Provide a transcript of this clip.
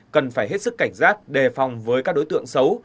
cần phải hết sức cảnh giác đề phòng với các đối tượng xấu